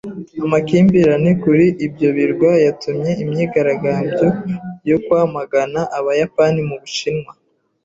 Amakimbirane kuri ibyo birwa yatumye imyigaragambyo yo kwamagana abayapani mu Bushinwa.